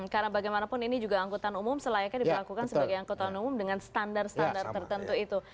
karena bagaimanapun ini juga angkutan umum selayaknya diperlakukan sebagai angkutan umum dengan standar standar tertentu itu